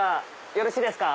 よろしいですか？